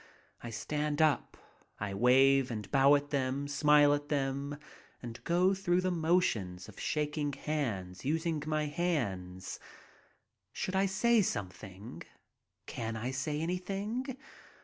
I stand up. I wave and bow at them, smile at them, and go through the motions of shaking hands, using my own hands. Should I say some thing? Can I say anything?